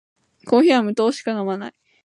コーヒーは無糖しか飲まない